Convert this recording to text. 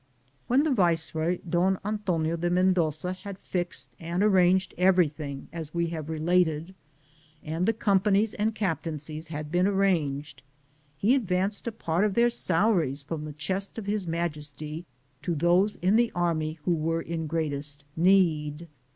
When the viceroy Don Antonio de Men doza had fixed and arranged everything as we have related, and the companies and cap taincies had been arranged, he advanced a part of their salaries from the chest of His Majesty to those in the army who were in greatest need.